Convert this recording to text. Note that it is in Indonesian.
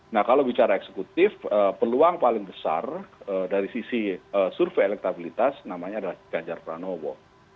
nah kalau bicara eksekutif peluang paling besar dari sisi survei elektabilitas namanya adalah ganjar pranowo